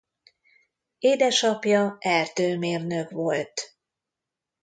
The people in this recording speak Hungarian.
Édesapja erdőmérnök volt.